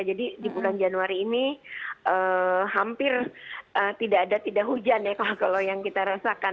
jadi di bulan januari ini hampir tidak ada tidak hujan ya kalau yang kita rasakan